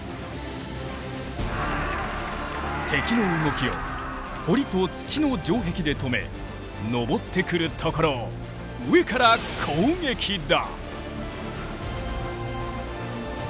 敵の動きを堀と土の城壁で止め上ってくるところを上から攻撃だ。